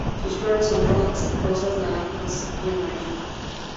Sus flores son rojas, rosas, naranjas y amarillo.